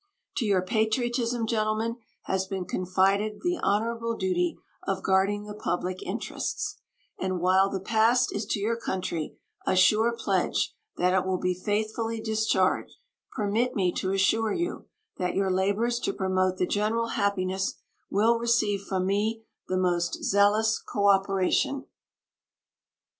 To your patriotism, gentlemen, has been confided the honorable duty of guarding the public interests; and while the past is to your country a sure pledge that it will be faithfully discharged, permit me to assure you that your labors to promote the general happiness will receive from me the most zealous cooperation.